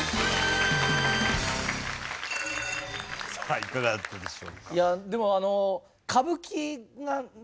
さあいかがだったでしょうか。